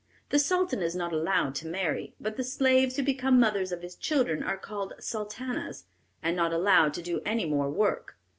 The Sultan is not allowed to marry, but the slaves who become mothers of his children are called sultanas, and not allowed to do any more work.